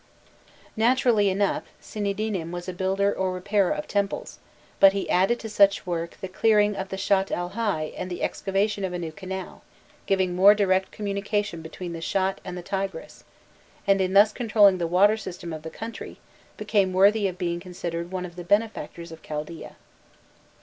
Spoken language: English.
Naturally enough, Sinidinnam was a builder or repairer of temples, but he added to such work the clearing of the Shatt el Hai and the excavation of a new canal giving a more direct communication between the Shatt and the Tigris, and in thus controlling the water system of the country became worthy of being considered one of the benefactors of Chaldaea.